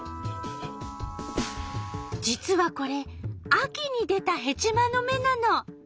実はこれ秋に出たヘチマの芽なの。